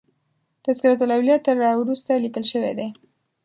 تذکرة الاولیاء تر را وروسته لیکل شوی دی.